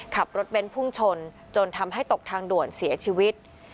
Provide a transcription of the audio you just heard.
ขับรถเบ้นพุ่งชนจนทำให้ตกทางด่วนเสียชีวิต